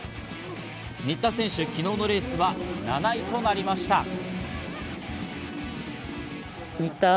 新田選手、昨日のレースは７位となりました。